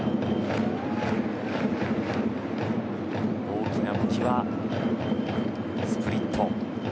大きな武器はスプリット。